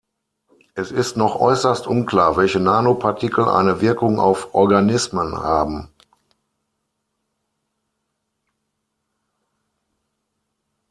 Es ist noch äußerst unklar, welche Nanopartikel eine Wirkung auf Organismen haben.